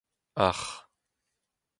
Ac'h !